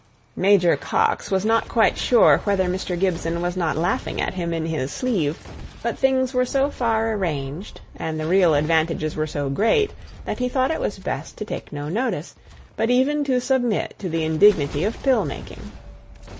Major Coxe was not quite sure whether Mr. Gibson was not laughing at him in his sleeve; but things were so far arranged, and the real advantages were so great, that he thought it was best to take no notice, but even to submit to the indignity of pill making.